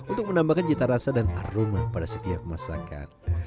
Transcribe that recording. untuk menambahkan cita rasa dan aroma pada setiap masakan